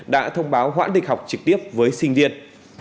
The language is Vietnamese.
đã thông báo hoãn địch học trực tiếp với sinh viên